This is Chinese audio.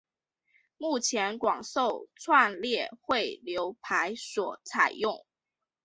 目前广受串列汇流排所采用。